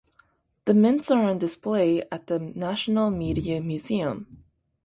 The mints are on display at the National Media Museum.